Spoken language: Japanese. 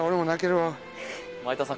米田さん